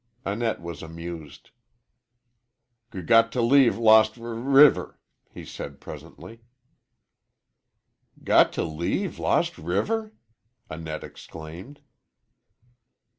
Annette was amused. "G got t' leave Lost R river," he said, presently. "Got to leave Lost River!" Annette exclaimed.